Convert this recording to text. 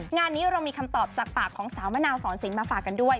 งานนี้เรามีคำตอบจากปากของสาวมะนาวสอนสินมาฝากกันด้วย